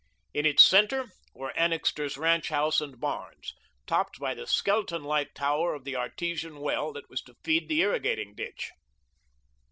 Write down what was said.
In its centre were Annixter's ranch house and barns, topped by the skeleton like tower of the artesian well that was to feed the irrigating ditch.